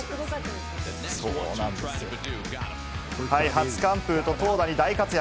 初完封と投打に大活躍。